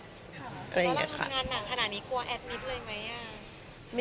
แล้วทำงานหนักขนาดนี้กลัวแอดนิดเลยไหมอ่ะ